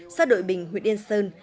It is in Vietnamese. xã đội bình huyện yên sơn